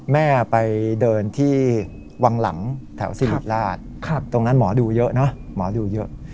แม่ไปเดินที่วังหลังแถวสิริราชตรงนั้นหมอดูเยอะเนอะหมอดูเยอะ